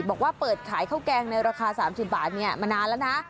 บอกว่าเปิดขายข้าวแกงในราคา๓๐บาทมานานแล้วนะ